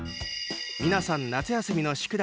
皆さん、夏休みの宿題